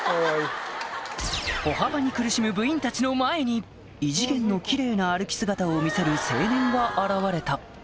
歩幅に苦しむ部員たちの前に異次元のキレイな歩き姿を見せる青年が現れた彼は